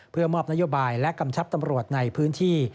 เพื่อมอบนโยบายและกำชับตำรวจในพื้นที่